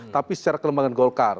tapi secara kelembagaan golkar